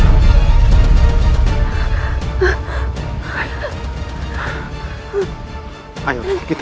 jangan lupa untuk puji putri putri putri